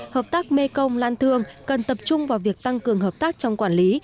hợp tác mekong lan thương cần tập trung vào việc tăng cường hợp tác trong quản lý